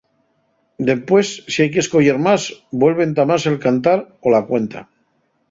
Dempués, si hai qu'escoyer más, vuelve entamase'l cantar o la cuenta.